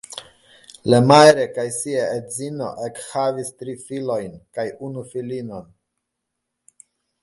Lemaire kaj sia edzino ekhavis tri filojn kaj unu filinon.